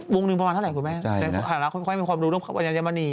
วงนึงประมาณเท่าไหร่กูแม่